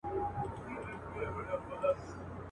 خلک وه ډېر وه په عذاب له کفن کښه.